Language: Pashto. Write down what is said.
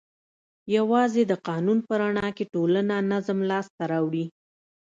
یوازې د قانون په رڼا کې ټولنه نظم لاس ته راوړي.